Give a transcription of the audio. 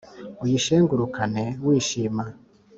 uyishengurukane wishima